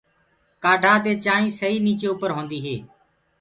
ڪآڌآ دي چآنٚينٚ سئي نيچي اُپر هوندي هي۔